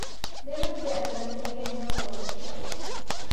They were together until the end of Roland's life.